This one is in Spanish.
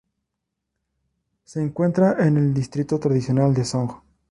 Se encuentra en el distrito tradicional de Sogn.